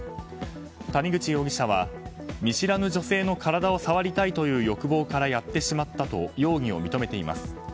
谷口容疑者は見知らぬ女性の体を触りたいという欲望からやってしまったと容疑を認めています。